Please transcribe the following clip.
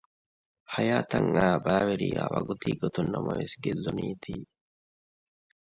ހަޔާތަށް އައި ބައިވެރިޔާ ވަގުތީގޮތުން ނަމަވެސް ގެއްލުނީތީ